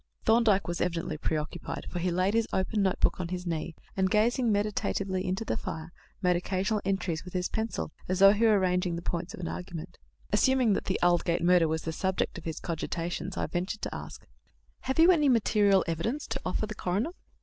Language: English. Thorndyke was evidently preoccupied, for he laid his open notebook on his knee, and, gazing meditatively into the fire, made occasional entries with his pencil as though he were arranging the points of an argument. Assuming that the Aldgate murder was the subject of his cogitations, I ventured to ask: "Have you any material evidence to offer the coroner?"